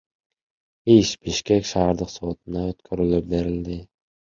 Иш Бишкек шаардык сотуна өткөрүлүп берилди.